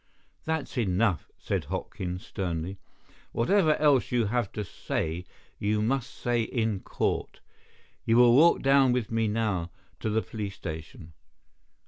"That is enough," said Hopkins, sternly. "Whatever else you have to say, you must say in court. You will walk down with me now to the police station.